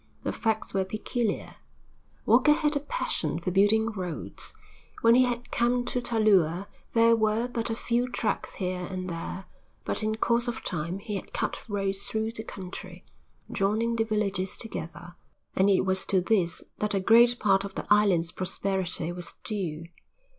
The facts were peculiar. Walker had a passion for building roads. When he had come to Talua there were but a few tracks here and there, but in course of time he had cut roads through the country, joining the villages together, and it was to this that a great part of the island's prosperity was due.